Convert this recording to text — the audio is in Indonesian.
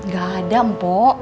gak ada mpo